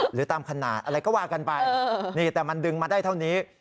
หรือตามขนาดอะไรก็ว่ากันไปนี่แต่มันดึงมาได้เท่านี้